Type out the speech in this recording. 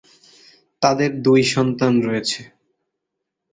তাদের দুই সন্তান রয়েছে।